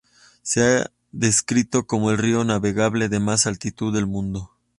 Se ha descrito como el río navegable de más altitud del mundo.